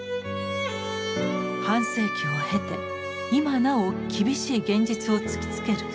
半世紀を経て今なお厳しい現実を突きつける社会問題。